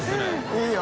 いいよ！